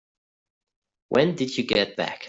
When did you get back?